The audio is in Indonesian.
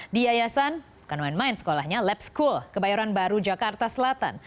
diayasan bukan main main sekolahnya lab school kebayoran baru jakarta selatan